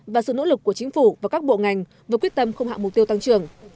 và sự nỗ lực của chính phủ và các bộ ngành với quyết tâm không hạ mục tiêu tăng trưởng